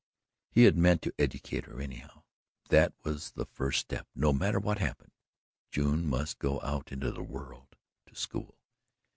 He had meant to educate her, anyhow. That was the first step no matter what happened. June must go out into the world to school.